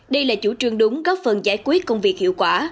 đây là chủ trương đúng góp phần giải quyết công việc hiệu quả